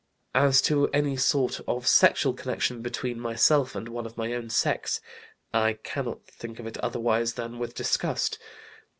As to any sort of sexual connection between myself and one of my own sex, I cannot think of it otherwise than with disgust.